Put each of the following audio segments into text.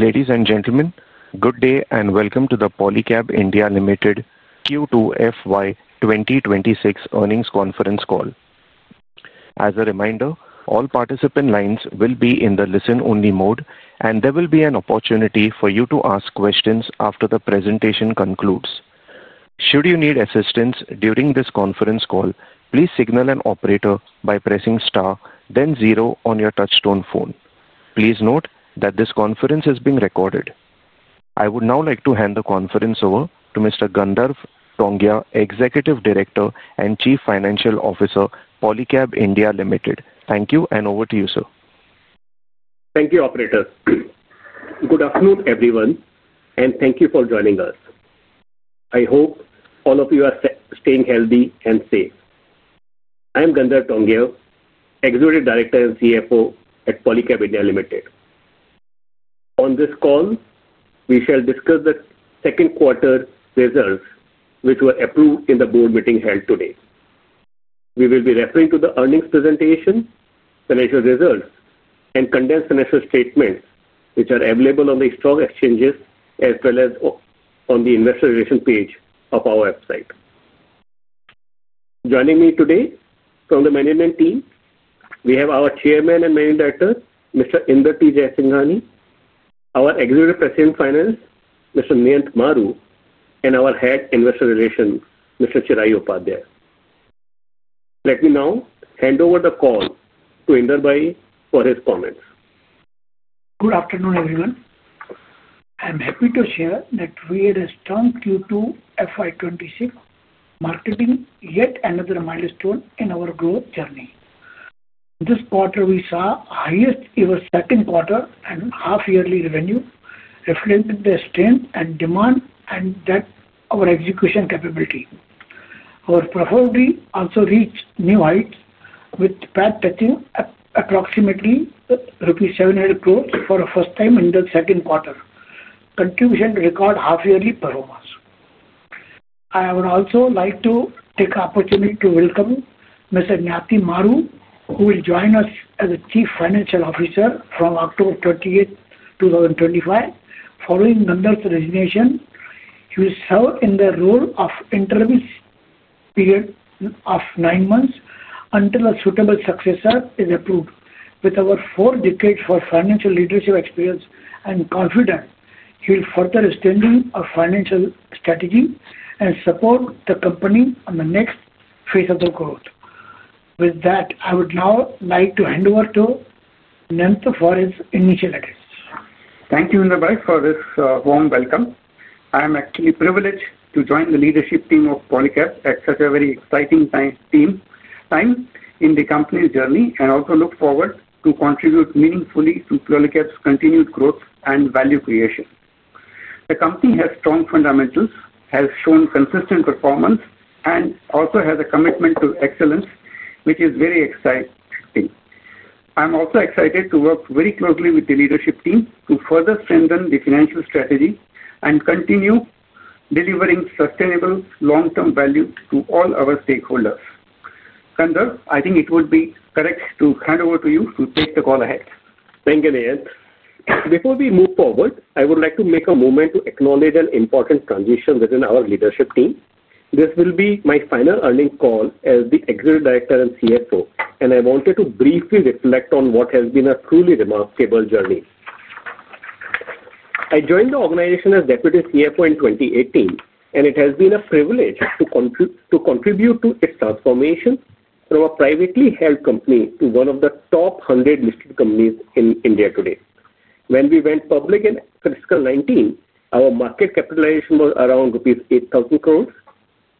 Ladies and gentlemen, good day and welcome to the Polycab India Limited Q2 FY 2026 earnings conference call. As a reminder, all participant lines will be in the listen-only mode, and there will be an opportunity for you to ask questions after the presentation concludes. Should you need assistance during this conference call, please signal an operator by pressing star then zero on your touchstone phone. Please note that this conference is being recorded. I would now like to hand the conference over to Mr. Gandharv Tongia, Executive Director and Chief Financial Officer, Polycab India Limited. Thank you and over to you, sir. Thank you, operator. Good afternoon, everyone, and thank you for joining us. I hope all of you are staying healthy and safe. I am Gandharv Tongia, Executive Director and CFO at Polycab India Limited. On this call, we shall discuss the second quarter results, which were approved in the board meeting held today. We will be referring to the earnings presentation, financial results, and condensed financial statements, which are available on the stock exchanges as well as on the investor relations page of our website. Joining me today from the management team, we have our Chairman and Managing Director, Mr. Inder Jaisinghani, our Executive President Finance, Mr. Niyant Maru, and our Head of Investor Relations, Mr. Chirayu Upadhyaya. Let me now hand over the call to Inder Bhai for his comments. Good afternoon, everyone. I am happy to share that we had a strong Q2 FY 2026, marking yet another milestone in our growth journey. This quarter, we saw the highest ever second quarter and half-yearly revenue, reflecting the strength in demand and our execution capability. Our profitability also reached new heights, with the PAT touching approximately rupees 700 crores for the first time in the second quarter, contributing to record half-yearly performance. I would also like to take the opportunity to welcome Mr. Niyant Maru, who will join us as the Chief Financial Officer from October 31, 2025, following Gandharv's resignation. He will serve in the role of interim CEO for nine months until a suitable successor is approved. With over four decades of financial leadership experience and confidence, he will further strengthen our financial strategy and support the company in the next phase of growth. With that, I would now like to hand over to Niyant for his initial address. Thank you, Inder Jaisinghani, for this warm welcome. I am actually privileged to join the leadership team of Polycab at such a very exciting time in the company's journey and also look forward to contributing meaningfully to Polycab's continued growth and value creation. The company has strong fundamentals, has shown consistent performance, and also has a commitment to excellence, which is very exciting. I am also excited to work very closely with the leadership team to further strengthen the financial strategy and continue delivering sustainable long-term value to all our stakeholders. Gandharv, I think it would be correct to hand over to you to take the call ahead. Thank you, Niyant. Before we move forward, I would like to take a moment to acknowledge an important transition within our leadership team. This will be my final earnings call as the Executive Director and CFO, and I wanted to briefly reflect on what has been a truly remarkable journey. I joined the organization as Deputy CFO in 2018, and it has been a privilege to contribute to its transformation from a privately held company to one of the top 100 listed companies in India today. When we went public in fiscal 2019, our market capitalization was around rupees 8,000 crore.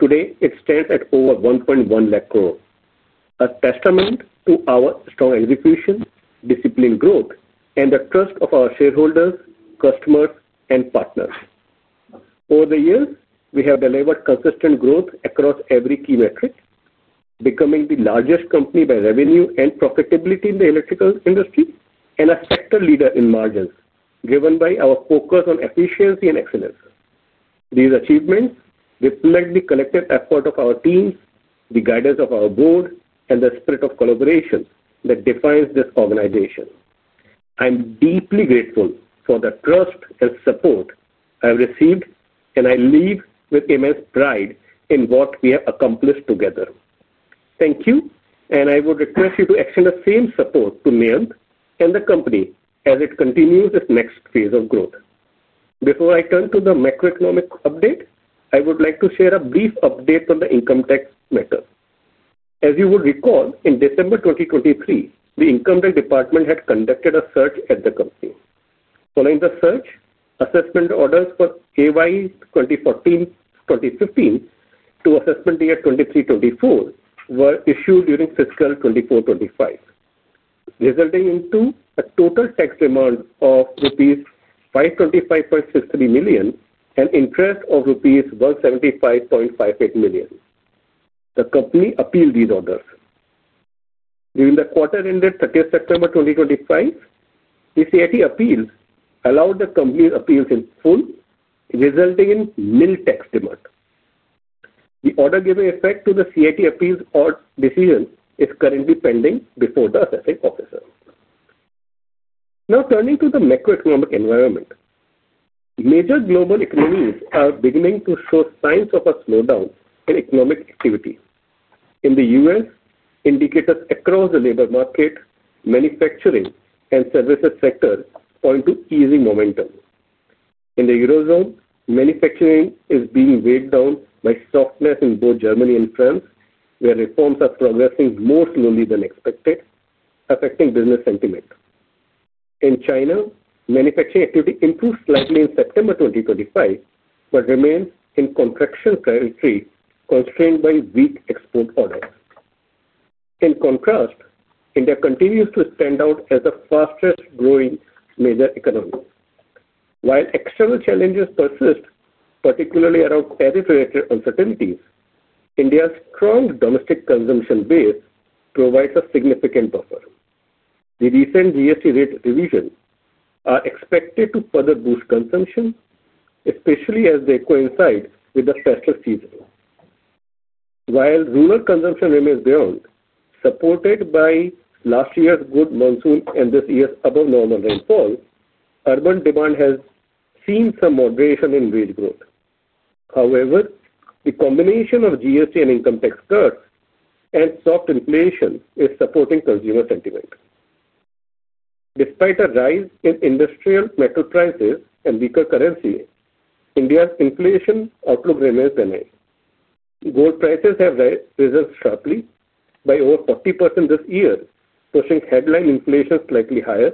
Today, it stands at over 110,000 crore, a testament to our strong execution, disciplined growth, and the trust of our shareholders, customers, and partners. Over the years, we have delivered consistent growth across every key metric, becoming the largest company by revenue and profitability in the electrical industry and a sector leader in margins, driven by our focus on efficiency and excellence. These achievements reflect the collective effort of our teams, the guidance of our board, and the spirit of collaboration that defines this organization. I am deeply grateful for the trust and support I have received, and I leave with immense pride in what we have accomplished together. Thank you, and I would request you to extend the same support to Niyant and the company as it continues its next phase of growth. Before I turn to the macroeconomic update, I would like to share a brief update on the income tax matter. As you would recall, in December 2023, the Income Tax Department had conducted a search at the company. Following the search, assessment orders for FY 2014-FY 2015 to assessment year 2023-2024 were issued during fiscal 2024-2025, resulting in a total tax demand of rupees 525.63 million and interest of rupees 175.58 million. The company appealed these orders. During the quarter ended 30 September 2025, the CIT appeals allowed the company to appeal in full, resulting in nil tax demand. The order giving effect to the CIT appeals decision is currently pending before the assessing officer. Now turning to the macroeconomic environment, major global economies are beginning to show signs of a slowdown in economic activity. In the U.S., indicators across the labor market, manufacturing, and services sectors are into easing momentum. In the Eurozone, manufacturing is being weighed down by softness in both Germany and France, where reforms are progressing more slowly than expected, affecting business sentiment. In China, manufacturing activity improved slightly in September 2025 but remains in contraction territory, constrained by weak export orders. In contrast, India continues to stand out as the fastest growing major economy. While external challenges persist, particularly around territorial uncertainties, India's strong domestic consumption base provides a significant buffer. The recent GST rate revisions are expected to further boost consumption, especially as they coincide with the festive season. While rural consumption remains down, supported by last year's good monsoon and this year's above-normal rainfall, urban demand has seen some moderation in wage growth. However, the combination of GST and income tax cuts and soft inflation is supporting consumer sentiment. Despite a rise in industrial metal prices and weaker currency, India's inflation outlook remains benign. Gold prices have risen sharply by over 40% this year, pushing headline inflation slightly higher,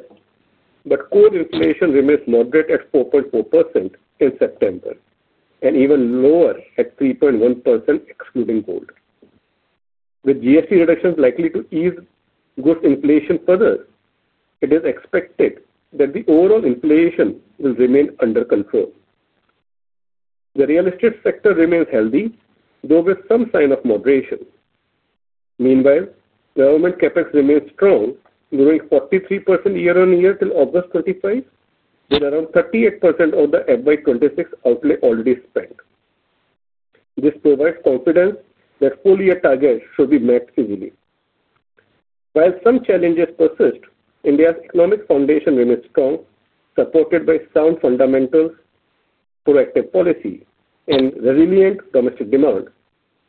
but core inflation remains moderate at 4.4% in September and even lower at 3.1%, excluding gold. With GST reductions likely to ease growth inflation further, it is expected that the overall inflation will remain under control. The real estate sector remains healthy, though with some sign of moderation. Meanwhile, government CapEx remains strong, growing 43% year-on-year till August 25, with around 38% of the FY 2026 outlay already spent. This provides confidence that full-year targets should be met easily. While some challenges persist, India's economic foundation remains strong, supported by sound fundamentals, proactive policy, and resilient domestic demand.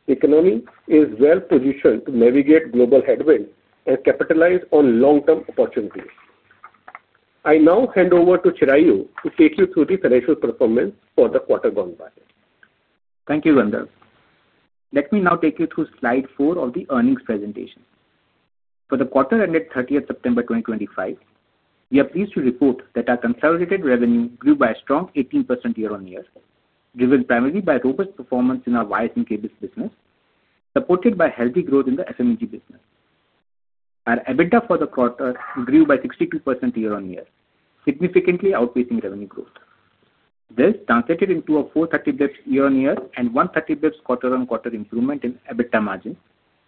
The economy is well-positioned to navigate global headwinds and capitalize on long-term opportunities. I now hand over to Chirayu to take you through the financial performance for the quarter gone by. Thank you, Gandharv. Let me now take you through slide four of the earnings presentation. For the quarter ended 30th, September 2025, we are pleased to report that our consolidated revenue grew by a strong 18% year-on-year, driven primarily by robust performance in our wires and cables business, supported by healthy growth in the FMEG business. Our EBITDA for the quarter grew by 62% year-on-year, significantly outpacing revenue growth. This translated into a 430 basis points year-on-year and 130 basis points quarter-on-quarter improvement in EBITDA margins,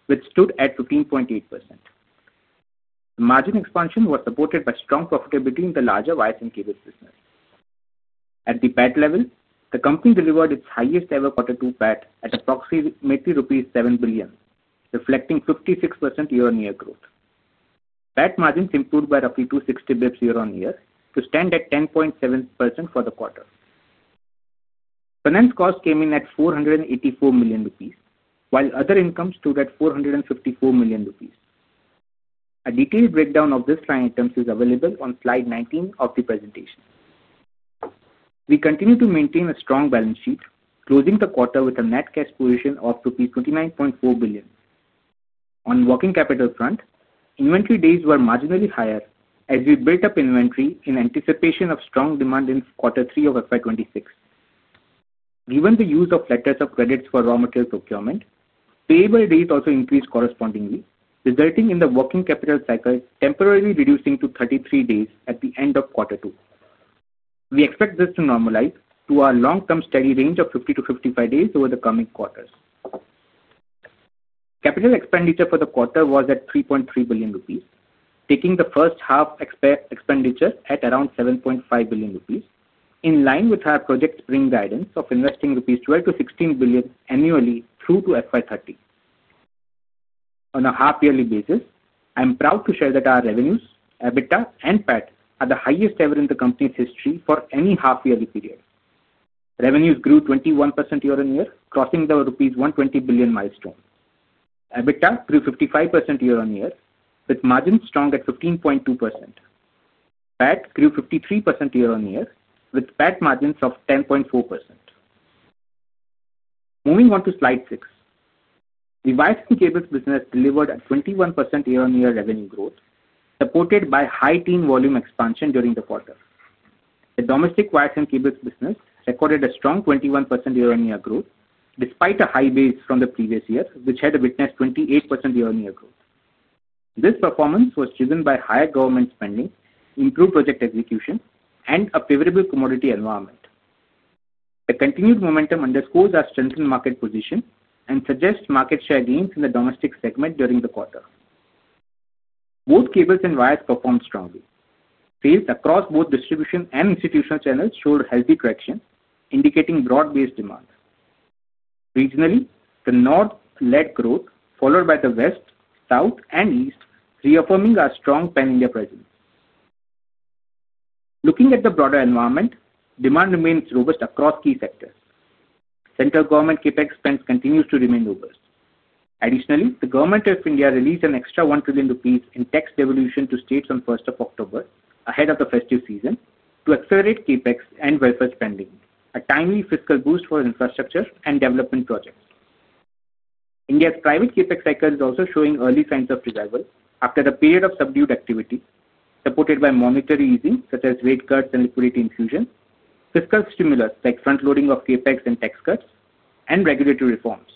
which stood at 15.8%. The margin expansion was supported by strong profitability in the larger wires and cables business. At the PAT level, the company delivered its highest ever quarter two PAT at approximately rupees 7 billion, reflecting 56% year-on-year growth. PAT margins improved by roughly 260 basis points year-on-year to stand at 10.7% for the quarter. Finance costs came in at 484 million rupees, while other incomes stood at 454 million rupees. A detailed breakdown of these line items is available on slide 19 of the presentation. We continue to maintain a strong balance sheet, closing the quarter with a net cash position of INR 29.4 billion. On working capital front, inventory days were marginally higher as we built up inventory in anticipation of strong demand in quarter three of FY 2026. Given the use of letters of credit for raw material procurement, payable days also increased correspondingly, resulting in the working capital cycle temporarily reducing to 33 days at the end of quarter two. We expect this to normalize to our long-term steady range of 50-55 days over the coming quarters. Capital expenditure for the quarter was at 3.3 billion rupees, taking the first half expenditure at around 7.5 billion rupees, in line with our Project Spring guidance of investing 12-16 billion rupees annually through to FY 2030. On a half-yearly basis, I'm proud to share that our revenues, EBITDA, and PAT are the highest ever in the company's history for any half-yearly period. Revenues grew 21% year-on-year, crossing the rupees 120 billion milestone. EBITDA grew 55% year-on-year, with margins strong at 15.2%. PAT grew 53% year-on-year, with PAT margins of 10.4%. Moving on to slide six, the wires and cables business delivered a 21% year-on-year revenue growth, supported by high team volume expansion during the quarter. The domestic wires and cables business recorded a strong 21% year-on-year growth, despite a high base from the previous year, which had witnessed 28% year-on-year growth. This performance was driven by higher government spending, improved project execution, and a favorable commodity environment. The continued momentum underscores our strengthened market position and suggests market share gains in the domestic segment during the quarter. Both cables and wires performed strongly. Sales across both distribution and institutional channels showed healthy traction, indicating broad-based demand. Regionally, the north led growth, followed by the west, south, and east, reaffirming our strong Pan-India presence. Looking at the broader environment, demand remains robust across key sectors. Central government CapEx spend continues to remain robust. Additionally, the Government of India released an extra 1 trillion rupees in tax devolution to states on 1st of October, ahead of the festive season, to accelerate CapEx and welfare spending, a timely fiscal boost for infrastructure and development projects. India's private CapEx cycle is also showing early signs of revival after the period of subdued activity, supported by monetary easing, such as rate cuts and liquidity infusions, fiscal stimulus like front-loading of CapEx and tax cuts, and regulatory reforms.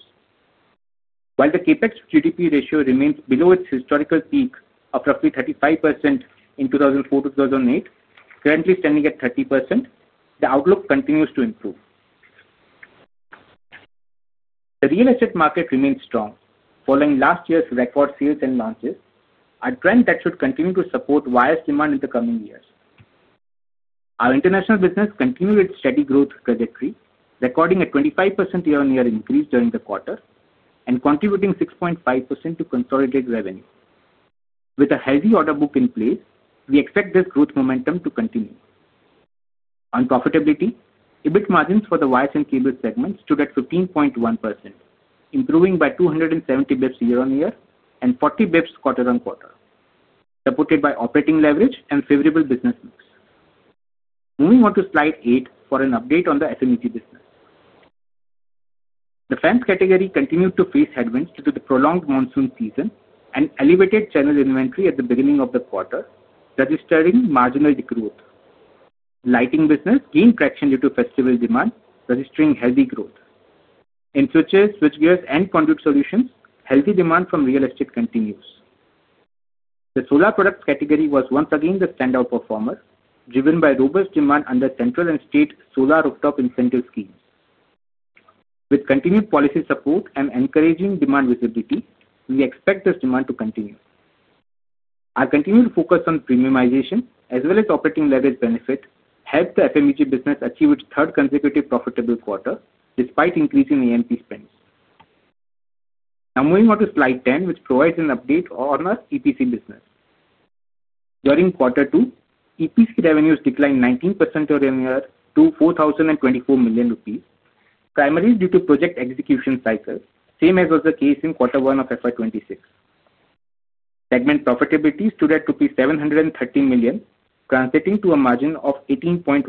While the CapEx to GDP ratio remains below its historical peak of roughly 35% in 2004-2008, currently standing at 30%, the outlook continues to improve. The real estate market remains strong, following last year's record sales and launches, a trend that should continue to support wires demand in the coming years. Our international business continued its steady growth trajectory, recording a 25% year-on-year increase during the quarter and contributing 6.5% to consolidated revenue. With a healthy order book in place, we expect this growth momentum to continue. On profitability, EBITDA margins for the wires and cables segment stood at 15.1%, improving by 270 basis points year-on-year and 40 basis points quarter-on-quarter, supported by operating leverage and favorable business mix. Moving on to slide eight for an update on the FMEG business. The fans category continued to face headwinds due to the prolonged monsoon season and elevated channel inventory at the beginning of the quarter, registering marginal growth. Lighting business gained traction due to festival demand, registering healthy growth. In switches, switchgears, and conduit solutions, healthy demand from real estate continues. The solar products category was once again the standout performer, driven by robust demand under central and state solar rooftop incentive schemes. With continued policy support and encouraging demand visibility, we expect this demand to continue. Our continued focus on premiumization, as well as operating leverage benefit, helped the FMEG business achieve its third consecutive profitable quarter, despite increasing AMP spends. Now moving on to slide 10, which provides an update on our EPC business. During quarter two, EPC revenues declined 19% year-on-year to 4,024 million rupees, primarily due to project execution cycles, same as was the case in quarter one of FY 2026. Segment profitability stood at 730 million, translating to a margin of 18.1%.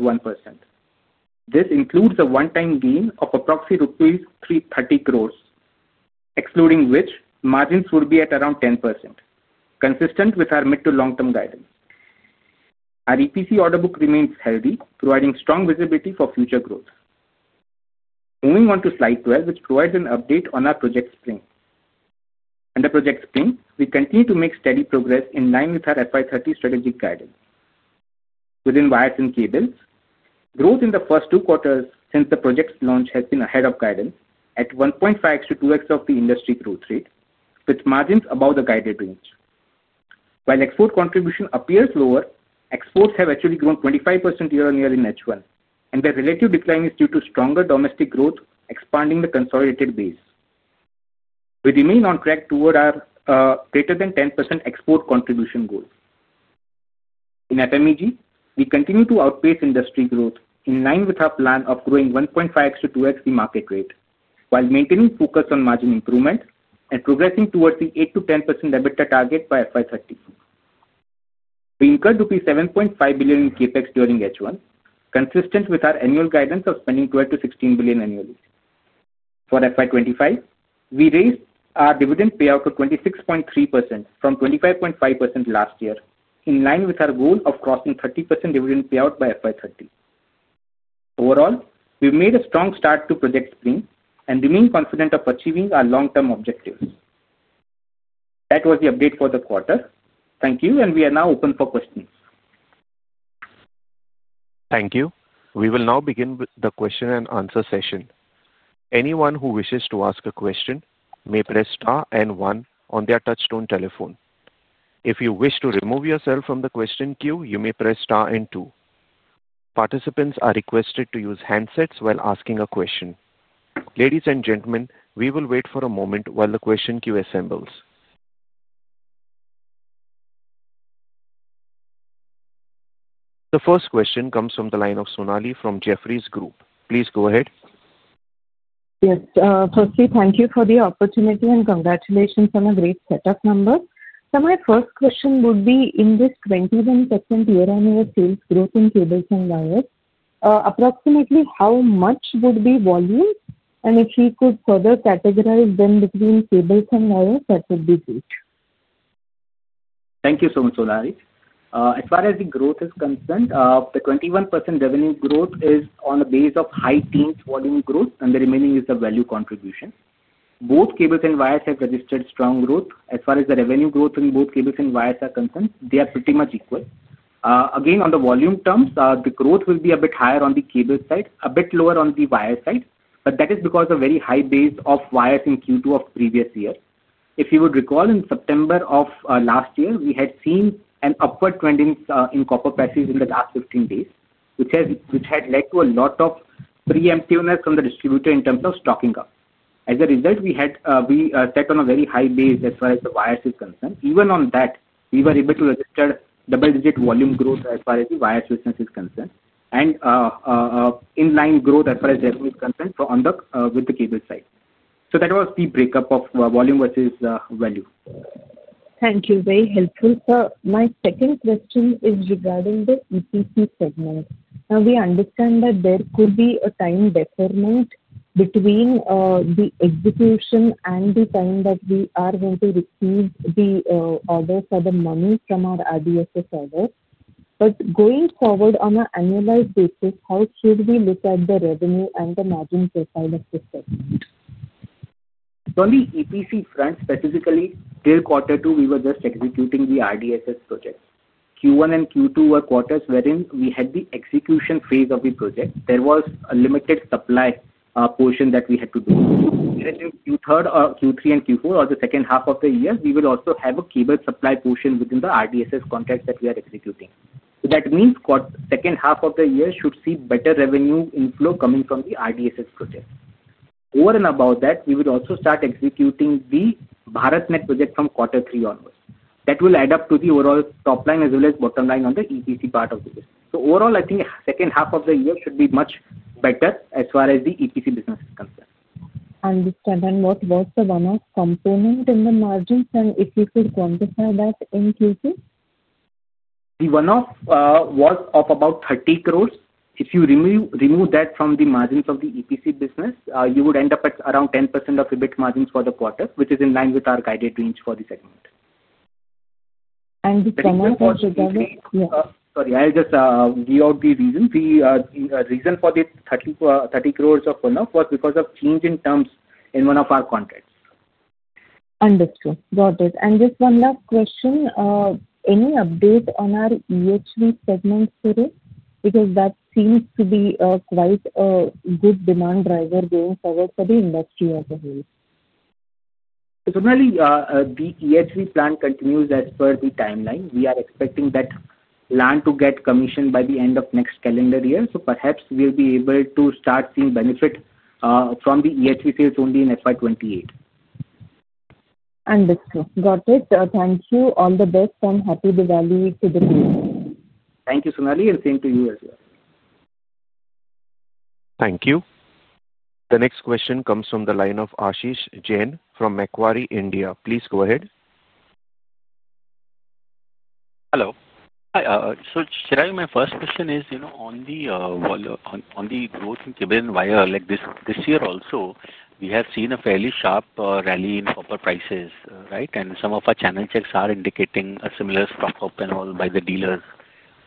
This includes a one-time gain of approximately 330 million rupees, excluding which margins would be at around 10%, consistent with our mid to long-term guidance. Our EPC order book remains healthy, providing strong visibility for future growth. Moving on to slide 12, which provides an update on our Project Spring. Under Project Spring, we continue to make steady progress in line with our FY 2030 strategic guidance. Within wires and cables, growth in the first two quarters since the project's launch has been ahead of guidance at 1.5x-2x of the industry growth rate, with margins above the guided range. While export contribution appears lower, exports have actually grown 25% year-on-year in H1, and the relative decline is due to stronger domestic growth, expanding the consolidated base. We remain on track toward our greater than 10% export contribution goal. In FMEG, we continue to outpace industry growth in line with our plan of growing 1.5x-2x the market rate, while maintaining focus on margin improvement and progressing towards the 8%-10% EBITDA target by FY 2030. We incurred rupees 7.5 billion in CapEx during H1, consistent with our annual guidance of spending 12 billion to 16 billion annually. For FY 2025, we raised our dividend payout to 26.3% from 25.5% last year, in line with our goal of crossing 30% dividend payout by FY 2030. Overall, we've made a strong start to Project Spring and remain confident of achieving our long-term objectives. That was the update for the quarter. Thank you, and we are now open for questions. Thank you. We will now begin the question-and-answer session. Anyone who wishes to ask a question may press star and one on their touchstone telephone. If you wish to remove yourself from the question queue, you may press star and two. Participants are requested to use handsets while asking a question. Ladies and gentlemen, we will wait for a moment while the question queue assembles. The first question comes from the line of Sonali from Jefferies Group. Please go ahead. Yes, firstly, thank you for the opportunity and congratulations on a great setup number. My first question would be, in this 2017 year-on-year sales growth in cables and wires, approximately how much would be volume? If you could further categorize them between cables and wires, that would be great. Thank you so much, Sonali. As far as the growth is concerned, the 21% revenue growth is on a base of high teens volume growth, and the remaining is the value contribution. Both cables and wires have registered strong growth. As far as the revenue growth in both cables and wires is concerned, they are pretty much equal. Again, on the volume terms, the growth will be a bit higher on the cable side, a bit lower on the wire side, but that is because of a very high base of wires in Q2 of previous year. If you would recall, in September of last year, we had seen an upward trend in copper prices in the last 15 days, which had led to a lot of pre-emptiveness from the distributor in terms of stocking up. As a result, we sat on a very high base as far as the wires are concerned. Even on that, we were able to register double-digit volume growth as far as the wires business is concerned and inline growth as far as revenue is concerned with the cable side. That was the breakup of volume versus value. Thank you. Very helpful. My second question is regarding the EPC segment. We understand that there could be a time deferment between the execution and the time that we are going to receive the order for the money from our RDSS server. Going forward on an annualized basis, how should we look at the revenue and the margin profile of the segment? On the EPC front, specifically till quarter two, we were just executing the RDSS projects. Q1 and Q2 were quarters wherein we had the execution phase of the project. There was a limited supply portion that we had to do. In Q3 and Q4, or the second half of the year, we will also have a cable supply portion within the RDSS contracts that we are executing. That means the second half of the year should see better revenue inflow coming from the RDSS projects. Over and above that, we would also start executing the BharatNet project from quarter three onwards. That will add up to the overall top line as well as bottom line on the EPC part of the business. Overall, I think the second half of the year should be much better as far as the EPC business is concerned. Understood. What was the one-off component in the margins? If you could quantify that in cases? The one-off was of about 30 crore. If you remove that from the margins of the EPC business, you would end up at around 10% of EBITDA margins for the quarter, which is in line with our guided range for the segment. The second part is about. Sorry, I'll just give out the reason. The reason for the 30 crore one-off was because of change in terms in one of our contracts. Understood. Got it. Just one last question. Any update on our EHV segment, Suresh? That seems to be quite a good demand driver going forward for the industry as a whole. The EHV plan continues as per the timeline. We are expecting that plan to get commissioned by the end of next calendar year. Perhaps we'll be able to start seeing benefit from the EHV sales only in FY 2028. Understood. Got it. Thank you. All the best and happy Diwali to the team. Thank you, Sonali, and same to you as well. Thank you. The next question comes from the line of Ashish Jain from Macquarie, India. Please go ahead. Hello. Hi. Chirayu, my first question is, you know, on the growth in cables and wires, like this year also, we have seen a fairly sharp rally in copper prices, right? Some of our channel checks are indicating a similar stock up and all by the dealers.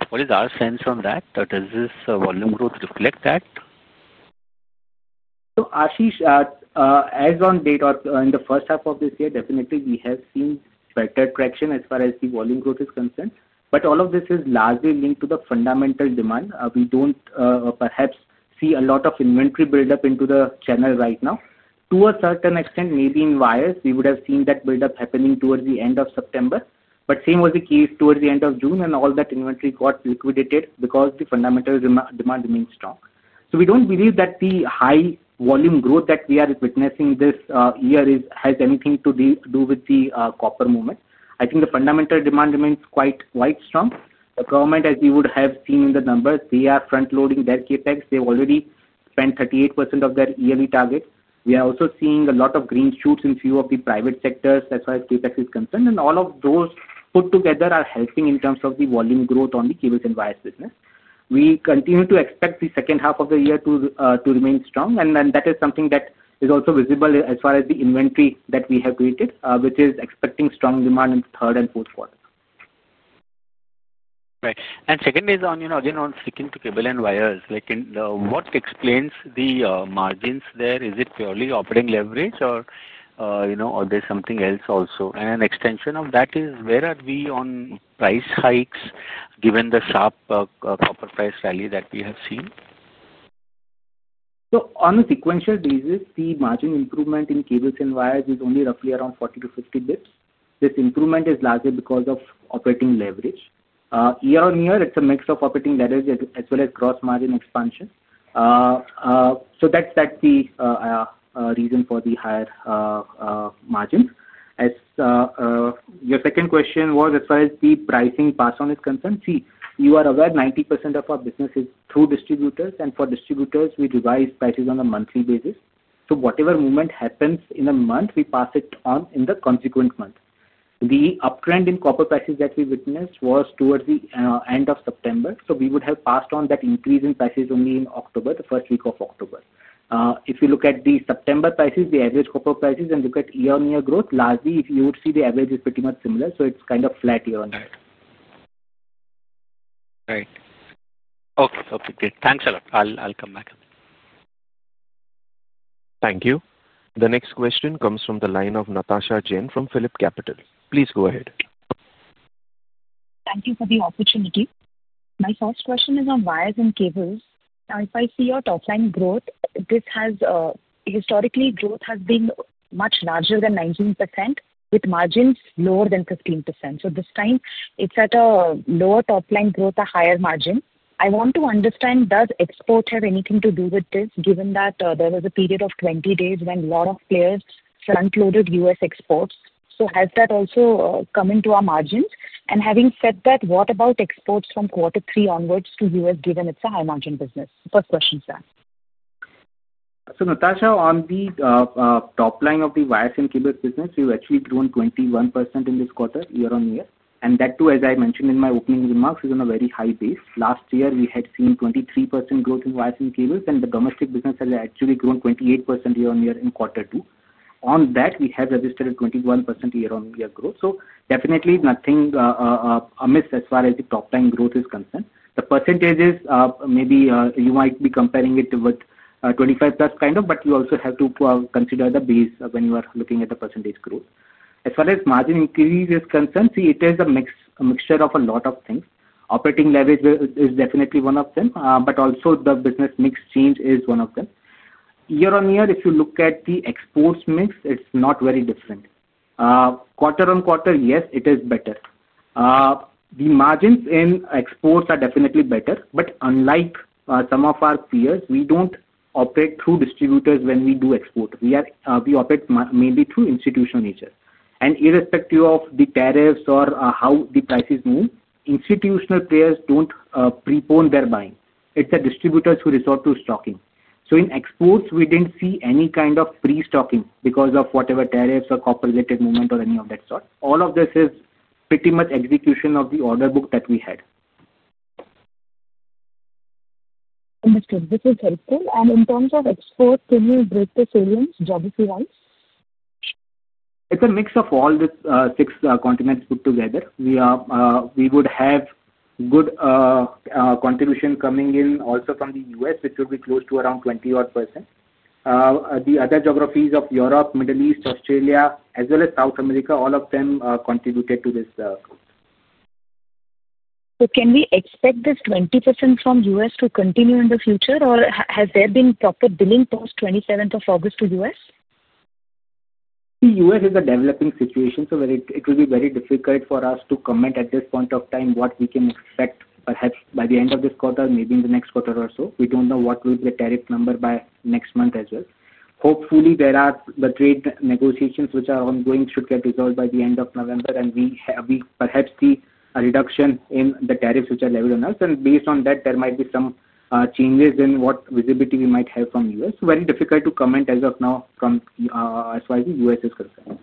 What is our sense on that? Does this volume growth reflect that? Ashish, as on date or in the first half of this year, definitely we have seen better traction as far as the volume growth is concerned. All of this is largely linked to the fundamental demand. We don't perhaps see a lot of inventory buildup into the channel right now. To a certain extent, maybe in wires, we would have seen that buildup happening towards the end of September. The same was the case towards the end of June, and all that inventory got liquidated because the fundamental demand remains strong. We don't believe that the high volume growth that we are witnessing this year has anything to do with the copper movement. I think the fundamental demand remains quite strong. The government, as you would have seen in the numbers, is front-loading their CapEx. They've already spent 38% of their yearly target. We are also seeing a lot of green shoots in a few of the private sectors as far as CapEx is concerned. All of those put together are helping in terms of the volume growth on the cables and wires business. We continue to expect the second half of the year to remain strong. That is something that is also visible as far as the inventory that we have created, which is expecting strong demand in the third and fourth quarter. Right. Second is on, you know, again, on sticking to cables and wires, like in what explains the margins there? Is it purely operating leverage, or, you know, or there's something else also? An extension of that is where are we on price hikes given the sharp copper price rally that we have seen? On a sequential basis, the margin improvement in cables and wires is only roughly around 40-50 basis points. This improvement is largely because of operating leverage. Year-on-year, it's a mix of operating leverage as well as cross-margin expansion. That's the reason for the higher margins. As your second question was, as far as the pricing pass-on is concerned, you are aware 90% of our business is through distributors. For distributors, we devise prices on a monthly basis. Whatever movement happens in a month, we pass it on in the consequent month. The uptrend in copper prices that we witnessed was towards the end of September. We would have passed on that increase in prices only in October, the first week of October. If you look at the September prices, the average copper prices, and look at year-on-year growth, largely, if you would see, the average is pretty much similar. It's kind of flat year-on-year. Right. Okay. Okay, good. Thanks a lot. I'll come back. Thank you. The next question comes from the line of Natasha Jain from PhillipCapital. Please go ahead. Thank you for the opportunity. My first question is on wires and cables. If I see your top line growth, this has historically grown much larger than 19%, with margins lower than 15%. This time, it's at a lower top line growth, a higher margin. I want to understand, does export have anything to do with this, given that there was a period of 20 days when a lot of players front-loaded U.S. exports? Has that also come into our margins? Having said that, what about exports from quarter three onwards to the U.S., given it's a high-margin business? First question's that. Natasha, on the top line of the wires and cables business, we've actually grown 21% in this quarter, year-on-year. That, too, as I mentioned in my opening remarks, is on a very high base. Last year, we had seen 23% growth in wires and cables, and the domestic business has actually grown 28% year-on-year in quarter two. On that, we have registered a 21% year-on-year growth. Definitely nothing amiss as far as the top line growth is concerned. The percentages, maybe you might be comparing it with 25%+ kind of, but you also have to consider the base when you are looking at the percentage growth. As far as margin increase is concerned, it is a mixture of a lot of things. Operating leverage is definitely one of them, but also the business mix change is one of them. Year-on-year, if you look at the exports mix, it's not very different. Quarter-on-quarter, yes, it is better. The margins in exports are definitely better, but unlike some of our peers, we don't operate through distributors when we do export. We operate mainly through institutional agents. Irrespective of the tariffs or how the prices move, institutional players don't prepone their buying. It's the distributors who resort to stocking. In exports, we didn't see any kind of pre-stocking because of whatever tariffs or copper-related movement or any of that sort. All of this is pretty much execution of the order book that we had. Understood. This is helpful. In terms of exports, can you break the salience geography-wise? It's a mix of all these six continents put together. We would have good contributions coming in also from the U.S., which would be close to around 20% odd. The other geographies of Europe, Middle East, Australia, as well as South America, all of them contributed to this growth. Can we expect this 20% from the U.S. to continue in the future, or has there been proper billing post August 27 to the U.S.? The U.S. is a developing situation, so it will be very difficult for us to comment at this point of time what we can expect. Perhaps by the end of this quarter, maybe in the next quarter or so. We don't know what will be the tariff number by next month as well. Hopefully, the trade negotiations which are ongoing should get resolved by the end of November, and we perhaps see a reduction in the tariffs which are levied on us. Based on that, there might be some changes in what visibility we might have from the U.S. It is very difficult to comment as of now as far as the U.S. is concerned.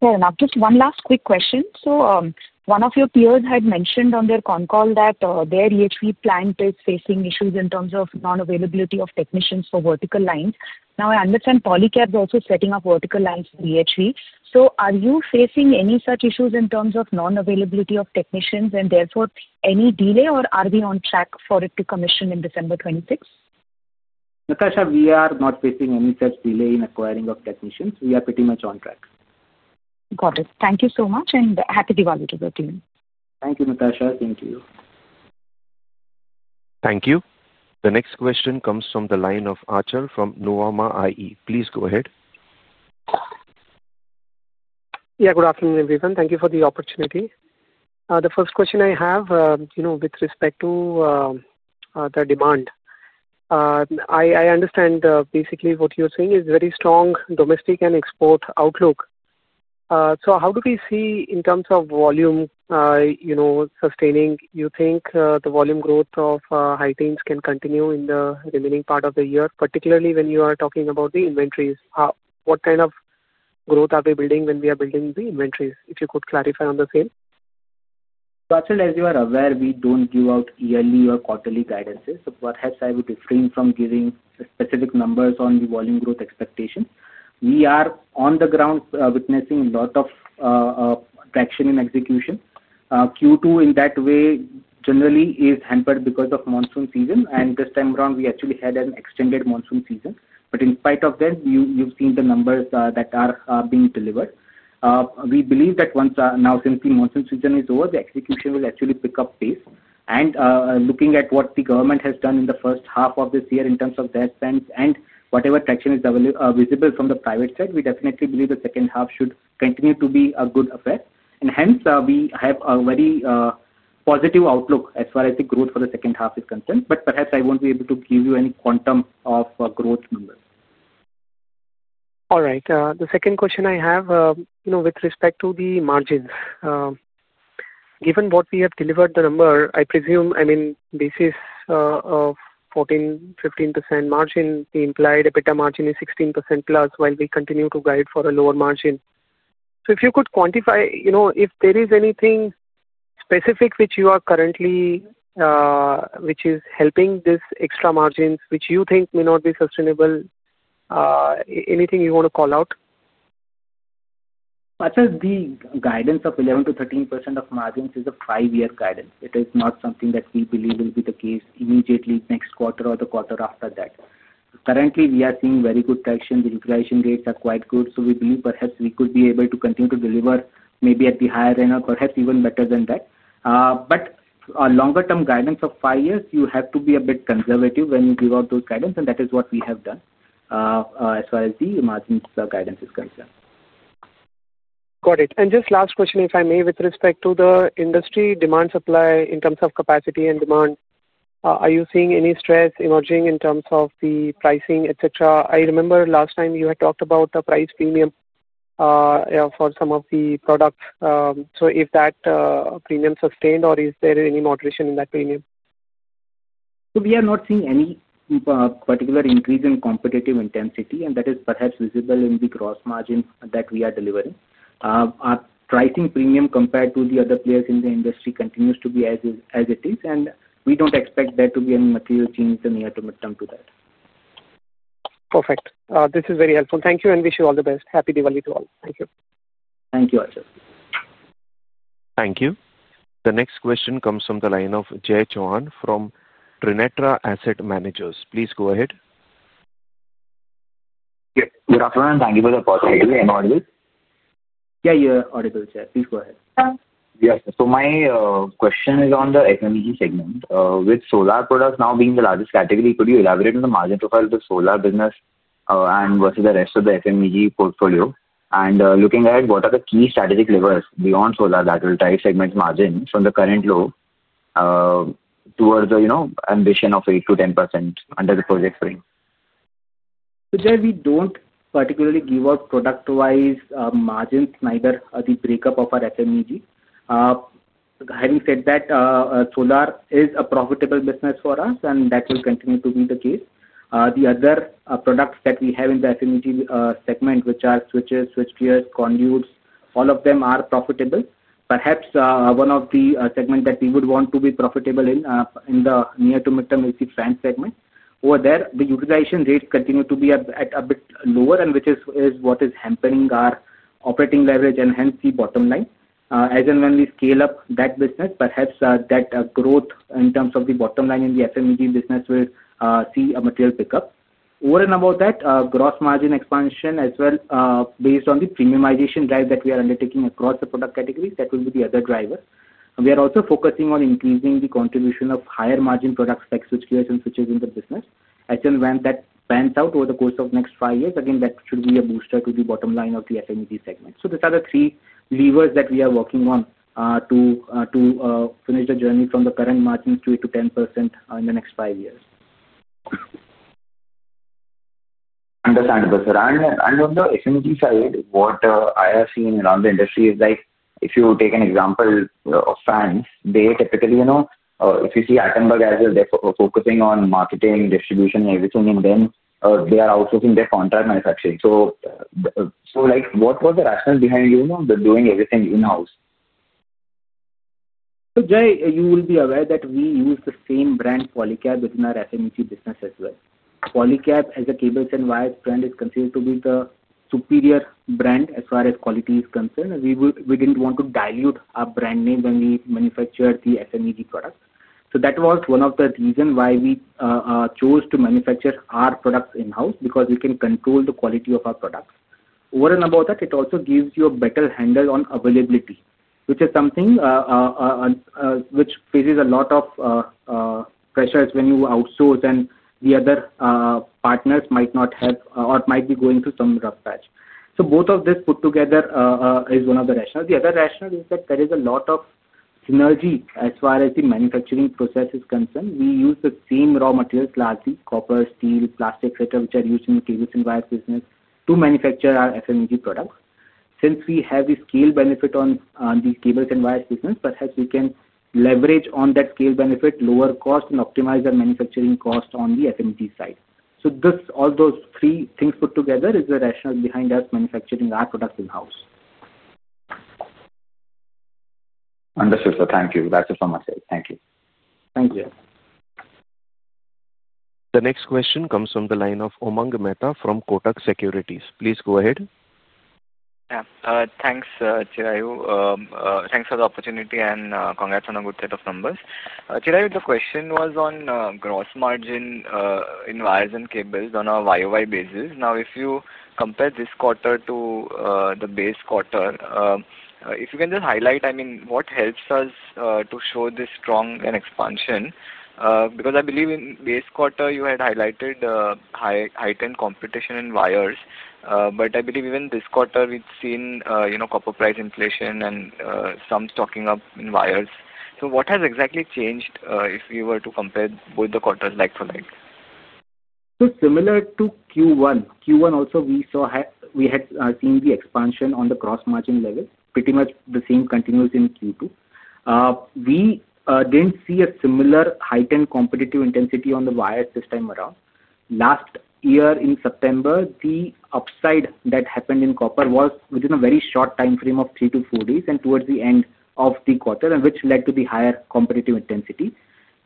Fair enough. Just one last quick question. One of your peers had mentioned on their con call that their EHV plant is facing issues in terms of non-availability of technicians for vertical lines. I understand Polycab is also setting up vertical lines for EHV. Are you facing any such issues in terms of non-availability of technicians and therefore any delay, or are we on track for it to commission in December 2026? Natasha, we are not facing any such delay in acquiring of technicians. We are pretty much on track. Got it. Thank you so much, and happy Diwali to the team. Thank you, Natasha. Same to you. Thank you. The next question comes from the line of Archer from Newarma.ie. Please go ahead. Yeah, good afternoon, everyone. Thank you for the opportunity. The first question I have, you know, with respect to the demand. I understand, basically what you're saying is very strong domestic and export outlook. How do we see in terms of volume, you know, sustaining? You think the volume growth of high teens can continue in the remaining part of the year, particularly when you are talking about the inventories? What kind of growth are we building when we are building the inventories? If you could clarify on the same. As you are aware, we don't give out yearly or quarterly guidances. I would refrain from giving specific numbers on the volume growth expectation. We are on the ground, witnessing a lot of traction in execution. Q2 in that way generally is hampered because of monsoon season. This time around, we actually had an extended monsoon season. In spite of that, you've seen the numbers that are being delivered. We believe that now, since the monsoon season is over, the execution will actually pick up pace. Looking at what the government has done in the first half of this year in terms of their spend and whatever traction is available, visible from the private side, we definitely believe the second half should continue to be a good effect. We have a very positive outlook as far as the growth for the second half is concerned. I won't be able to give you any quantum of growth numbers. All right. The second question I have, with respect to the margins. Given what we have delivered, the number, I presume, basis, of 14%, 15% margin, the implied EBITDA margin is 16%+, while we continue to guide for a lower margin. If you could quantify, if there is anything specific which you are currently, which is helping this extra margins, which you think may not be sustainable, anything you want to call out? The guidance of 11%-13% of margins is a five-year guidance. It is not something that we believe will be the case immediately next quarter or the quarter after that. Currently, we are seeing very good traction. The liquidation rates are quite good. We believe perhaps we could be able to continue to deliver maybe at the higher end or perhaps even better than that. A longer-term guidance of five years, you have to be a bit conservative when you give out those guidance, and that is what we have done, as far as the margins of guidance is concerned. Got it. Just last question, if I may, with respect to the industry demand supply in terms of capacity and demand, are you seeing any stress emerging in terms of the pricing, etc.? I remember last time you had talked about the price premium, yeah, for some of the products. If that premium sustained, or is there any moderation in that premium? We are not seeing any particular increase in competitive intensity, and that is perhaps visible in the gross margin that we are delivering. Our pricing premium compared to the other players in the industry continues to be as is, and we don't expect there to be any material change in the near term to that. Perfect. This is very helpful. Thank you, and wish you all the best. Happy Diwali to all. Thank you. Thank you, Archer. Thank you. The next question comes from the line of Jay Chauhan from Trinatra Asset Managers. Please go ahead. Yes, good afternoon. Thank you for the opportunity. I'm on this. Yeah, you're audible, Jay. Please go ahead. Yes. My question is on the FMEG segment. With solar products now being the largest category, could you elaborate on the margin profile of the solar business versus the rest of the FMEG portfolio? Looking ahead, what are the key strategic levers beyond solar that will drive segment margins from the current low towards the ambition of 8%-10% under Project Spring? Jay, we don't particularly give out product-wise margins, neither at the breakup of our FMEG. Having said that, solar is a profitable business for us, and that will continue to be the case. The other products that we have in the FMEG segment, which are switches, switch gears, conduits, all of them are profitable. Perhaps one of the segments that we would want to be profitable in, in the near to midterm, is the fans segment. Over there, the utilization rates continue to be a bit lower, which is what is hampering our operating leverage and hence the bottom line. As and when we scale up that business, perhaps that growth in terms of the bottom line in the FMEG business will see a material pickup. Over and above that, gross margin expansion as well, based on the premiumization drive that we are undertaking across the product categories, will be the other driver. We are also focusing on increasing the contribution of higher margin products like switch gears and switches in the business. As and when that pans out over the course of the next five years, that should be a booster to the bottom line of the FMEG segment. These are the three levers that we are working on to finish the journey from the current margins to 8%-10% in the next five years. Understandable, sir. On the FMEG side, what I have seen around the industry is like if you take an example of France, they typically, you know, if you see Attenborough as well, they're focusing on marketing, distribution, and everything, and then they are outsourcing their contract manufacturing. What was the rationale behind you, you know, doing everything in-house? Jay, you will be aware that we use the same brand, Polycab, within our FMEG business as well. Polycab as a cables and wires brand is considered to be the superior brand as far as quality is concerned. We didn't want to dilute our brand name when we manufactured the FMEG products. That was one of the reasons why we chose to manufacture our products in-house because we can control the quality of our products. Over and above that, it also gives you a better handle on availability, which is something that faces a lot of pressures when you outsource and the other partners might not have or might be going through some rough patch. Both of this put together is one of the rationales. The other rationale is that there is a lot of synergy as far as the manufacturing process is concerned. We use the same raw materials, largely copper, steel, plastic, etc., which are used in the cables and wires business to manufacture our FMEG products. Since we have the scale benefit on the cables and wires business, perhaps we can leverage on that scale benefit, lower cost, and optimize our manufacturing cost on the FMEG side. All those three things put together is the rationale behind us manufacturing our products in-house. Understood, sir. Thank you. That's it for myself. Thank you. Thank you. The next question comes from the line of Umang Mehta from Kotak Securities. Please go ahead. Yeah. Thanks, Chirayu. Thanks for the opportunity and congrats on a good set of numbers. Chirayu, the question was on gross margin in wires and cables on a Y-o-Y basis. Now, if you compare this quarter to the base quarter, if you can just highlight, I mean, what helps us to show this strong expansion? I believe in the base quarter, you had highlighted the high-ten competition in wires. I believe even this quarter, we've seen, you know, copper price inflation and some stocking up in wires. What has exactly changed if we were to compare both the quarters like for like? Similar to Q1, we saw the expansion on the gross margin levels. Pretty much the same continues in Q2. We didn't see a similar heightened competitive intensity on the wires this time around. Last year in September, the upside that happened in copper was within a very short timeframe of three to four days and towards the end of the quarter, which led to the higher competitive intensity.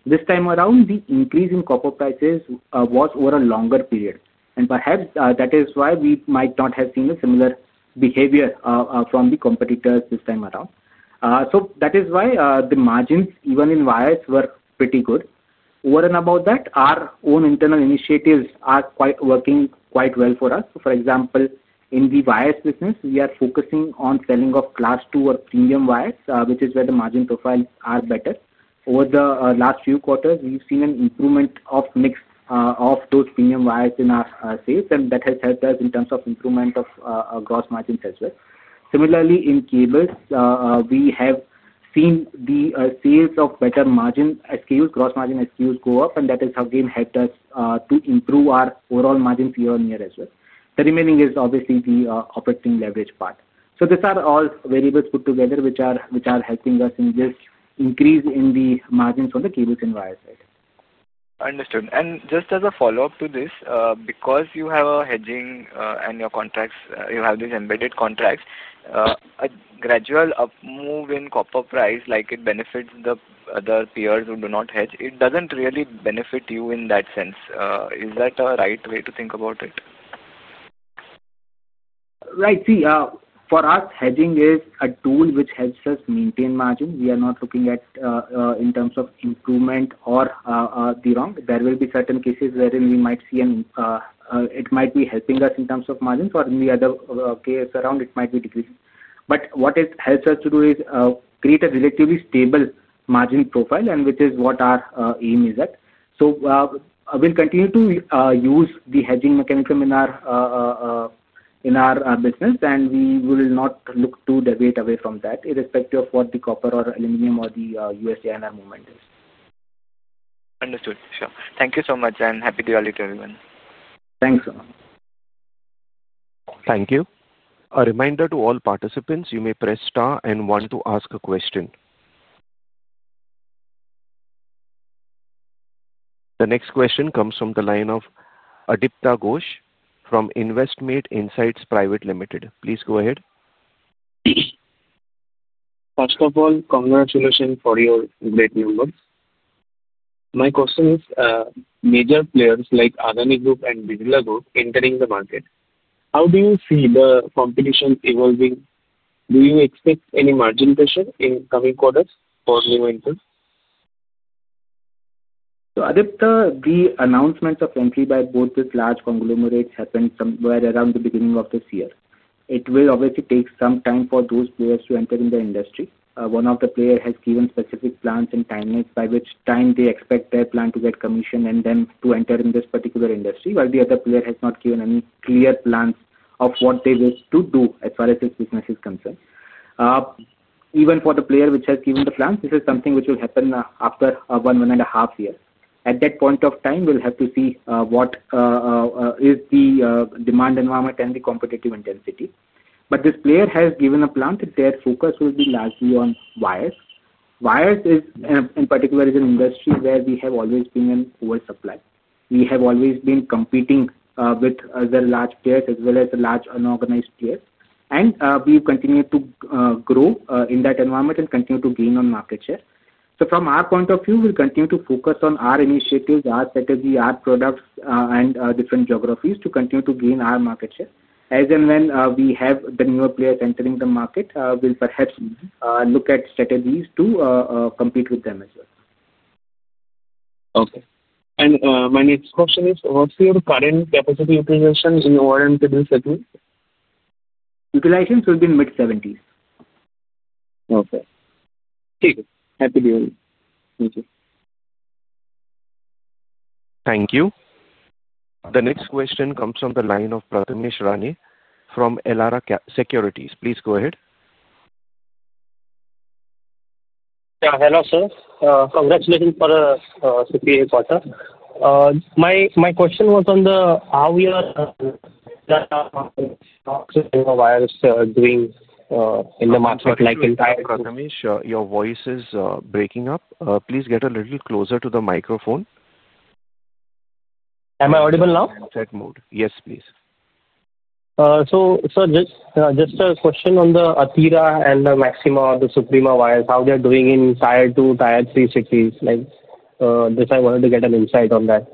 This time around, the increase in copper prices was over a longer period. Perhaps that is why we might not have seen a similar behavior from the competitors this time around. That is why the margins even in wires were pretty good. Over and above that, our own internal initiatives are working quite well for us. For example, in the wires business, we are focusing on selling of class two or premium wires, which is where the margin profiles are better. Over the last few quarters, we've seen an improvement of mix of those premium wires in our sales, and that has helped us in terms of improvement of gross margins as well. Similarly, in cables, we have seen the sales of better margin SKUs, gross margin SKUs go up, and that has again helped us to improve our overall margins year-on-year as well. The remaining is obviously the operating leverage part. These are all variables put together, which are helping us in this increase in the margins on the cables and wires side. Understood. Just as a follow-up to this, because you have a hedging and your contracts, you have these embedded contracts, a gradual up move in copper price, like it benefits the other peers who do not hedge, it doesn't really benefit you in that sense. Is that a right way to think about it? Right. See, for us, hedging is a tool which helps us maintain margins. We are not looking at it in terms of improvement or the wrong. There will be certain cases wherein we might see it might be helping us in terms of margins, or in the other case around, it might be decreasing. What it helps us to do is create a relatively stable margin profile, which is what our aim is at. We'll continue to use the hedging mechanism in our business, and we will not look to deviate away from that irrespective of what the copper or aluminum or the USD/INR movement is. Understood. Sure. Thank you so much, and happy Diwali to everyone. Thanks, sir. Thank you. A reminder to all participants, you may press star and one to ask a question. The next question comes from the line of Adipta Ghosh from Investmate Insights Private Limited. Please go ahead. First of all, congratulations for your great numbers. My question is, major players like Adani Group and Digital Group entering the market, how do you see the competition evolving? Do you expect any margin pressure in coming quarters or new entrants? The announcements of entry by both these large conglomerates happened somewhere around the beginning of this year. It will obviously take some time for those players to enter in the industry. One of the players has given specific plans and timelines by which time they expect their plan to get commissioned and then to enter in this particular industry, while the other player has not given any clear plans of what they wish to do as far as this business is concerned. Even for the player which has given the plans, this is something which will happen after one, one and a half years. At that point of time, we'll have to see what is the demand environment and the competitive intensity. This player has given a plan that their focus will be largely on wires. Wires is, in particular, an industry where we have always been in poor supply. We have always been competing with other large players as well as large unorganized players. We've continued to grow in that environment and continue to gain on market share. From our point of view, we'll continue to focus on our initiatives, our strategy, our products, and different geographies to continue to gain our market share. As and when we have the newer players entering the market, we'll perhaps look at strategies to compete with them as well. Okay. My next question is, what's your current capacity utilization in the cables segment? Utilization will be in the mid 70%. Okay, thank you. Happy Diwali. Thank you. Thank you. The next question comes from the line of Prathamesh Rane from Elaraka Securities. Please go ahead. Yeah. Hello, sir. Congratulations for the Q3 quarter. My question was on how your wires are doing in the market. Prathamesh, your voice is breaking up. Please get a little closer to the microphone. Am I audible now? Set mode. Yes, please. Sir, just a question on the Atira and the Maxima, the Suprema wires, how they're doing in tier two, tier three cities. I wanted to get an insight on that.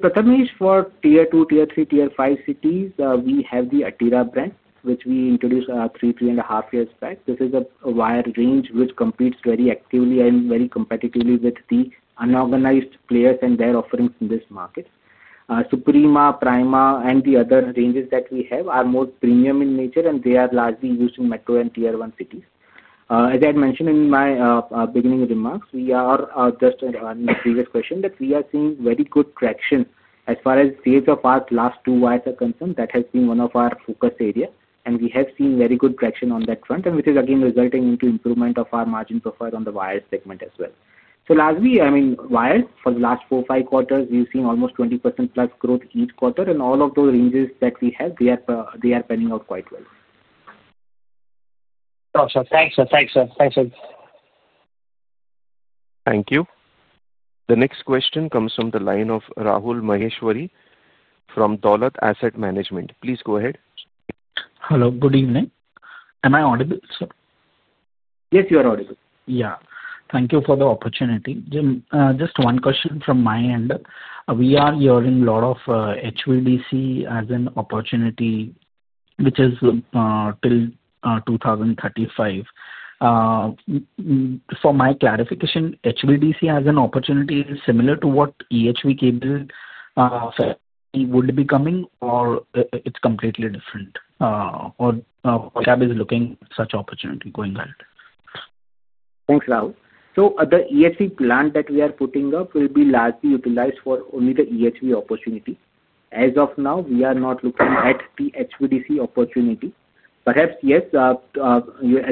For tier two, tier three, tier five cities, we have the Atira brand, which we introduced three, 3.5 years back. This is a wire range which competes very actively and very competitively with the unorganized players and their offerings in this market. Suprema, Prima, and the other ranges that we have are more premium in nature, and they are largely used in metro and tier one cities. As I had mentioned in my beginning remarks, just in the previous question, we are seeing very good traction as far as sales of our last two wires are concerned. That has been one of our focus areas, and we have seen very good traction on that front, which is again resulting in improvement of our margin profile on the wire segment as well. Largely, wires for the last four or five quarters, we've seen almost 20%+ growth each quarter, and all of those ranges that we have, they are panning out quite well. Thanks, sir. Thanks, sir. Thanks, sir. Thank you. The next question comes from the line of Rahul Maheshwari from Dolat Asset Management. Please go ahead. Hello. Good evening. Am I audible, sir? Yes, you are audible. Thank you for the opportunity. Just one question from my end. We are hearing a lot of HVDC as an opportunity, which is till 2035. For my clarification, HVDC as an opportunity is similar to what EHV cable would be coming, or it's completely different? Or Polycab is looking at such opportunity going ahead. Thanks, Rahul. The EHV plant that we are putting up will be largely utilized for only the EHV opportunity. As of now, we are not looking at the HVDC opportunity. Perhaps, yes, as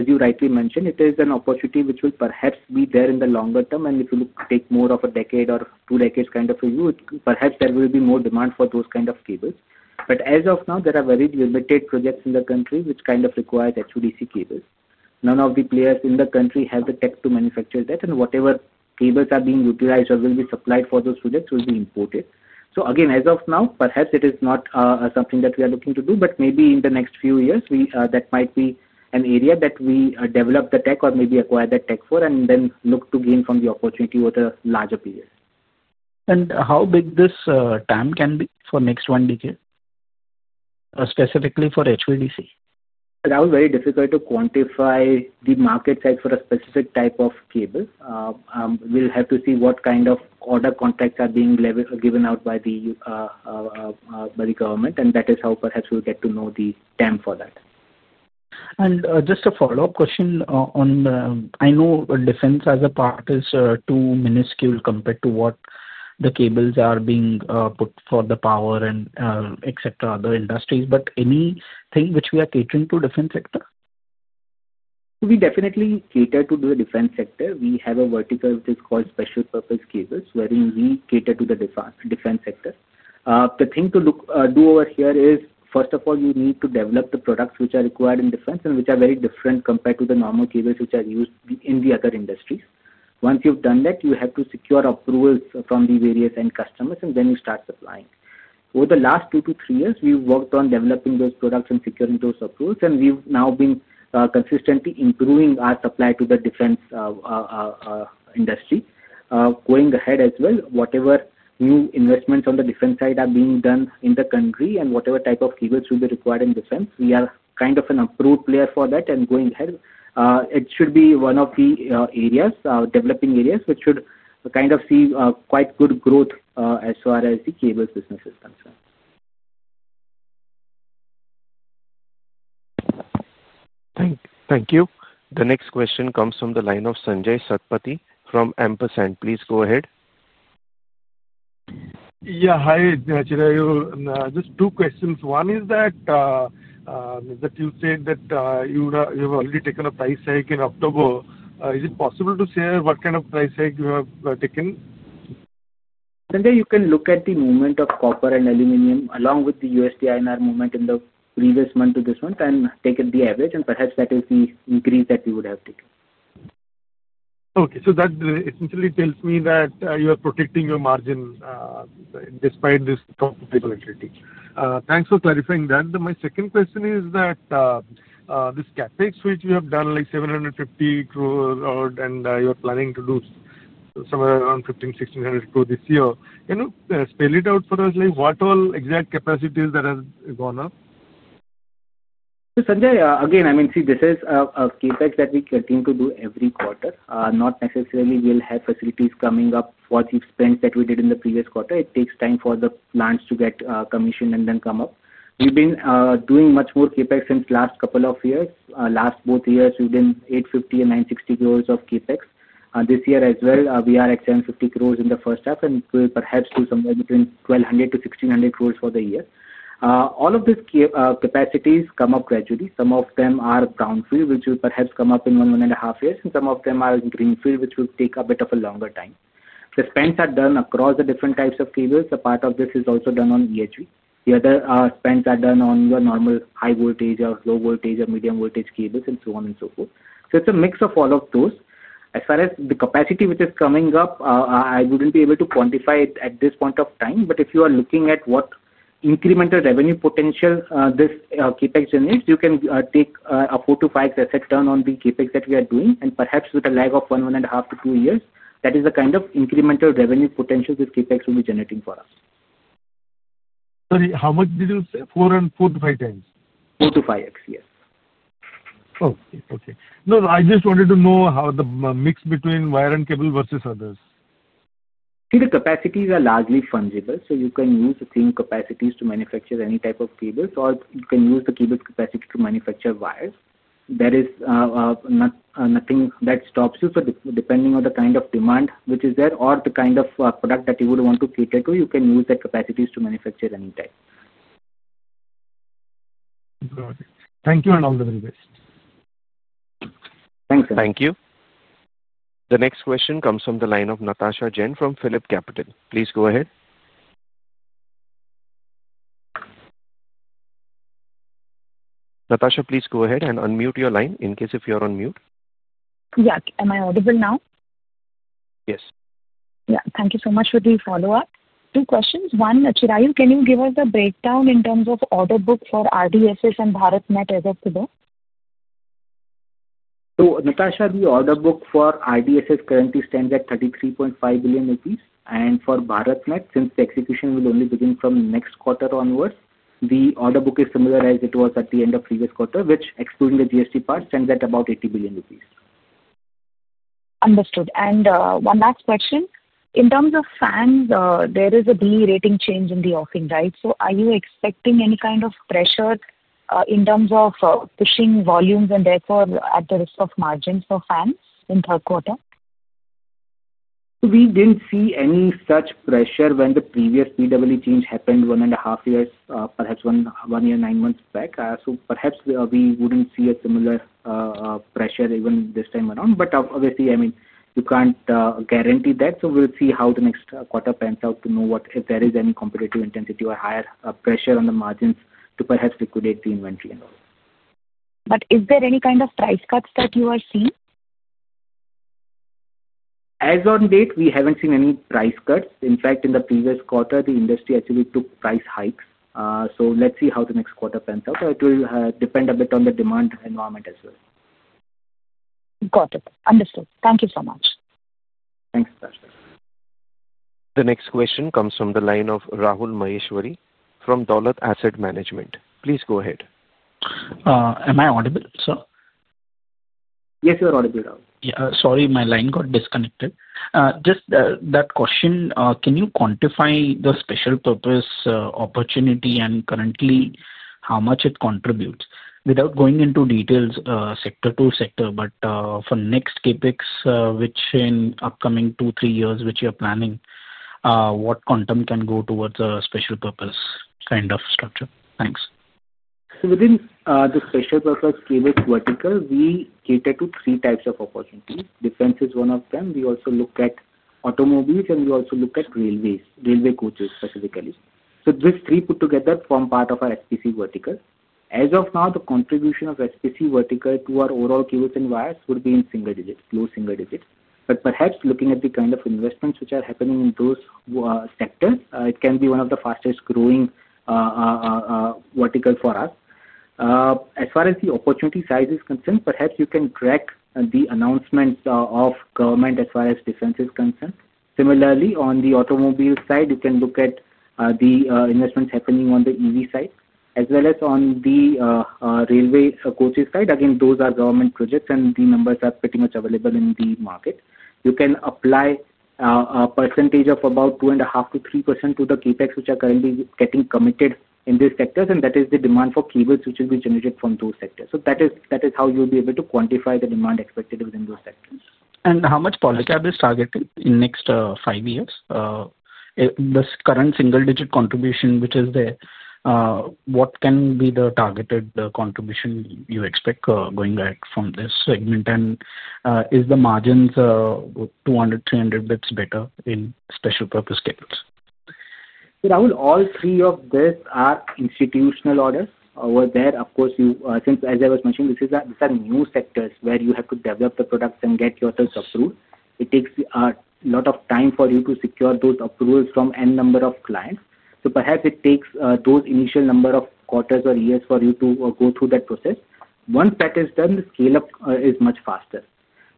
you rightly mentioned, it is an opportunity which will perhaps be there in the longer term. If you take more of a decade or two decades kind of review, perhaps there will be more demand for those kind of cables. As of now, there are very limited projects in the country which require HVDC cables. None of the players in the country have the tech to manufacture that, and whatever cables are being utilized or will be supplied for those projects will be imported. As of now, perhaps it is not something that we are looking to do, but maybe in the next few years, that might be an area that we develop the tech or maybe acquire that tech for and then look to gain from the opportunity over the larger period. How big can this TAM be for the next one decade, specifically for HVDC? That was very difficult to quantify the market size for a specific type of cable. We'll have to see what kind of order contracts are being given out by the government, and that is how perhaps we'll get to know the TAM for that. Just a follow-up question. I know defense as a part is too minuscule compared to what the cables are being put for the power and other industries. Is there anything which we are catering to the defense sector? We definitely cater to the defense sector. We have a vertical which is called special purpose cables, wherein we cater to the defense sector. The thing to do over here is, first of all, you need to develop the products which are required in defense and which are very different compared to the normal cables which are used in the other industries. Once you've done that, you have to secure approvals from the various end customers, and then you start supplying. Over the last two to three years, we've worked on developing those products and securing those approvals, and we've now been consistently improving our supply to the defense industry. Going ahead as well, whatever new investments on the defense side are being done in the country and whatever type of cables will be required in defense, we are kind of an approved player for that. Going ahead, it should be one of the areas, developing areas, which should kind of see quite good growth as far as the cables business is concerned. Thank you. Thank you. The next question comes from the line of Sanjay Satpati from Ampersand. Please go ahead. Yeah. Hi, Chirayu. Just two questions. One is that you said that you have already taken a price hike in October. Is it possible to share what kind of price hike you have taken? Sanjay, you can look at the movement of copper and aluminum along with the USD in our movement in the previous month to this month and take the average, and perhaps that is the increase that we would have taken. Okay. That essentially tells me that you are protecting your margin despite this stock capability. Thanks for clarifying that. My second question is that this CapEx, which you have done like 750 crore and you're planning to do somewhere around 1,500, 1,600 crore this year, can you spell it out for us? Like what all exact capacities that have gone up? Sanjay, again, this is a capital expenditure that we continue to do every quarter. Not necessarily we'll have facilities coming up for the spend that we did in the previous quarter. It takes time for the plants to get commissioned and then come up. We've been doing much more capital expenditure since the last couple of years. Last both years, we've done 850 crore and 960 crore of capital expenditure. This year as well, we are at 750 crore in the first half, and we'll perhaps do somewhere between 1,200 crore-1,600 crore for the year. All of these capacities come up gradually. Some of them are brownfield, which will perhaps come up in one to one and a half years, and some of them are in greenfield, which will take a bit of a longer time. The spends are done across the different types of cables. A part of this is also done on EHV. The other spends are done on your normal high voltage or low voltage or medium voltage cables and so on and so forth. It's a mix of all of those. As far as the capacity which is coming up, I wouldn't be able to quantify it at this point of time. If you are looking at what incremental revenue potential this capital expenditure generates, you can take a four to five asset turn on the capital expenditure that we are doing. Perhaps with a lag of one to one and a half to two years, that is the kind of incremental revenue potential this capital expenditure will be generating for us. Sorry, how much did you say? 4x-5x? 4x-5x, yes. Okay. Okay. I just wanted to know how the mix between wire and cable versus others. The capacities are largely fungible, so you can use the same capacities to manufacture any type of cables, or you can use the cable capacity to manufacture wires. There is nothing that stops you. Depending on the kind of demand which is there or the kind of product that you would want to cater to, you can use the capacities to manufacture any type. Got it. Thank you and all the very best. Thanks, sir. Thank you. The next question comes from the line of Natasha Jain from PhillipCapital. Please go ahead. Natasha, please go ahead and unmute your line in case you're on mute. Yes, am I audible now? Yes. Thank you so much for the follow-up. Two questions. One, Chirayu, can you give us the breakdown in terms of order book for RDSS and BharatNet as of today? Natasha, the order book for RDSS currently stands at 33.5 billion rupees. For BharatNet, since the execution will only begin from next quarter onwards, the order book is similar as it was at the end of previous quarter, which, excluding the GST part, stands at about 80 billion rupees. Understood. One last question. In terms of fans, there is a daily rating change in the offering, right? Are you expecting any kind of pressure in terms of pushing volumes and therefore at the risk of margins for fans in third quarter? We didn't see any such pressure when the previous PWE change happened one and a half years, perhaps one year, nine months back. Perhaps we wouldn't see a similar pressure even this time around. Obviously, you can't guarantee that. We'll see how the next quarter pans out to know if there is any competitive intensity or higher pressure on the margins to perhaps liquidate the inventory and all. Is there any kind of price cuts that you are seeing? As on date, we haven't seen any price cuts. In fact, in the previous quarter, the industry actually took price hikes. Let's see how the next quarter pans out. It will depend a bit on the demand environment as well. Got it. Understood. Thank you so much. Thanks, Natasha. The next question comes from the line of Rahul Maheshwari from Dolat Asset Management. Please go ahead. Am I audible, sir? Yes, you are audible, Rahul. Yeah, sorry, my line got disconnected. Just that question, can you quantify the special purpose opportunity and currently how much it contributes? Without going into details sector to sector, but for next capital expenditure, which in upcoming two, three years, which you're planning, what quantum can go towards a special purpose kind of structure? Thanks. Within the special purpose cables vertical, we cater to three types of opportunities. Defense is one of them. We also look at automobiles, and we also look at railways, railway coaches specifically. These three put together form part of our special purpose cables vertical. As of now, the contribution of the special purpose cables vertical to our overall cables and wires would be in single digits, low single digits. Perhaps looking at the kind of investments which are happening in those sectors, it can be one of the fastest growing verticals for us. As far as the opportunity size is concerned, you can track the announcements of government as far as defense is concerned. Similarly, on the automobile side, you can look at the investments happening on the EV side, as well as on the railway coaches side. Those are government projects, and the numbers are pretty much available in the market. You can apply a percentage of about 2.5%-3% to the capital expenditure which is currently getting committed in these sectors, and that is the demand for cables which has been generated from those sectors. That is how you'll be able to quantify the demand expected within those sectors. How much is Polycab targeted in the next five years? This current single-digit contribution which is there, what can be the targeted contribution you expect going ahead from this segment? Is the margins 200 basis points, 300 basis points better in special purpose cables? Rahul, all three of these are institutional orders. Over there, of course, as I was mentioning, these are new sectors where you have to develop the products and get yourselves approved. It takes a lot of time for you to secure those approvals from a number of clients. Perhaps it takes those initial number of quarters or years for you to go through that process. Once that is done, the scale-up is much faster.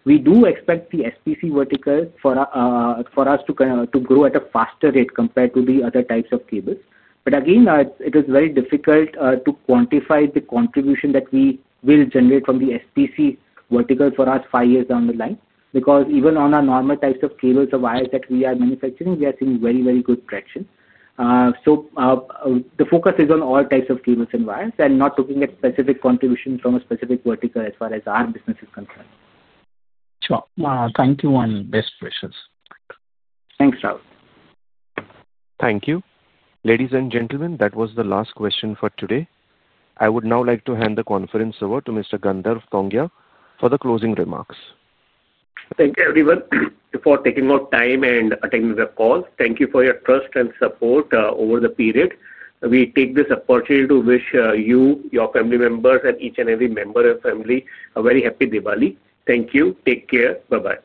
We do expect the special purpose cables vertical for us to grow at a faster rate compared to the other types of cables. Again, it is very difficult to quantify the contribution that we will generate from the special purpose cables vertical for us five years down the line because even on our normal types of cables or wires that we are manufacturing, we are seeing very, very good traction. The focus is on all types of cables and wires and not looking at specific contributions from a specific vertical as far as our business is concerned. Sure. Thank you and best wishes. Thanks, Rahul. Thank you. Ladies and gentlemen, that was the last question for today. I would now like to hand the conference over to Mr. Gandharv Tongia for the closing remarks. Thank you, everyone. Thank you for your time and attending the call. Thank you for your trust and support over the period. We take this opportunity to wish you, your family members, and each and every member of your family a very happy Diwali. Thank you. Take care. Bye-bye.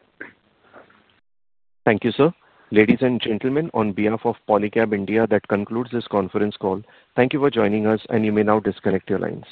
Thank you, sir. Ladies and gentlemen, on behalf of Polycab India Limited, that concludes this conference call. Thank you for joining us, and you may now disconnect your lines.